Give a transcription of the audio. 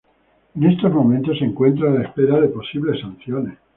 En estos momentos, se encuentra a la espera de posibles sanciones.